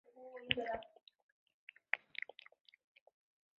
莫莱昂利沙尔人口变化图示